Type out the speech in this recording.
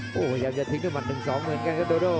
โอ้โหยังจะทิ้งด้วยหมันถึงสองเหมือนกันครับโดโด่